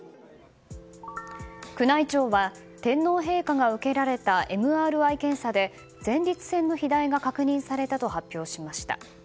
宮内庁は天皇陛下が受けられたＭＲＩ検査で前立腺の肥大が確認されたと発表されました。